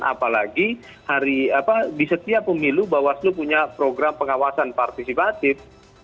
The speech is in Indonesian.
apalagi di setiap pemilu bawaslu punya program pengawasan partisipatif